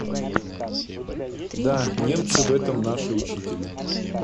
Да, немцы в этом наши учители.